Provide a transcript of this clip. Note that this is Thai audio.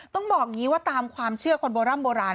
ต้องบอกอย่างนี้ว่าตามความเชื่อคนโบร่ำโบราณ